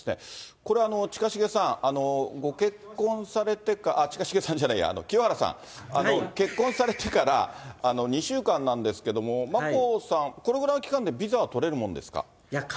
これ、近重さん、ご結婚されてから、近重さんじゃないや、清原さん、結婚されてから２週間なんですけども、眞子さん、これぐらいの期間でビザは取れるものですか？